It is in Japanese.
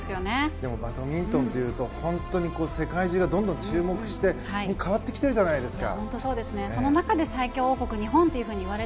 でもバドミントンというと本当に世界中がどんどん注目して変わってきているじゃないですか。